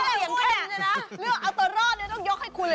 เลือกอัตเตอรอ่อเนี่ยต้องยอดให้คุณเลยนะ